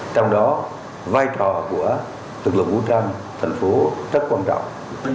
trong đó vai trò của lực lượng vũ trang thành phố rất quan trọng